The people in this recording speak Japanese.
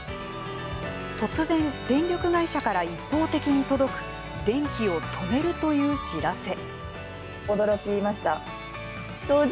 突然、電力会社から一方的に届く電気を止めるという知らせ。